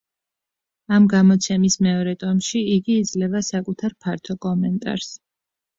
ამ გამოცემის მეორე ტომში იგი იძლევა საკუთარ ფართო კომენტარს.